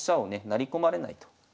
成り込まれないと。